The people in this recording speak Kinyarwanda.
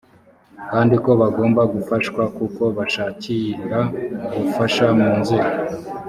kandi ko bagomba gufashwa kuko bashakira ubufasha mu nzego